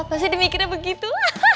pasti dia mikirnya begitu